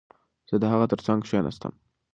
زه د هغه ترڅنګ کښېناستم.